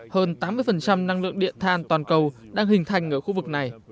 hơn tám mươi năng lượng điện than toàn cầu đang hình thành ở khu vực này